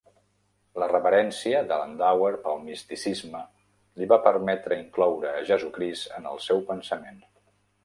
La reverència de Landauer pel misticisme li va permetre incloure a Jesucrist en el seu pensament.